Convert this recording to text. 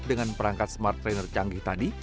dengan perangkat smart trainer canggih tadi